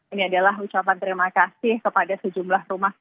ini adalah ucapan terima kasih kepada sejumlah rumah